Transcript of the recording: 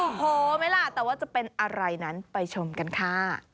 โอ้โหไหมล่ะแต่ว่าจะเป็นอะไรนั้นไปชมกันค่ะ